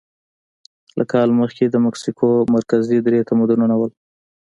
له کال مخکې د مکسیکو مرکزي درې تمدنونه وو.